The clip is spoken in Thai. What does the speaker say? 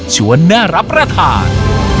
ชวนน่ารับประทาน